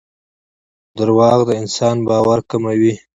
دراوغ دانسان باور کموي